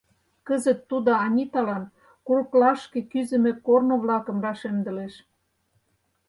Кызыт тудо Аниталан курыклашке кӱзымӧ корно-влакым рашемдылеш.